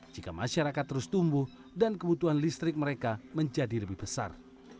jika masyarakat terus tumbuh dan kebutuhan listrik mereka menjadi lebih besar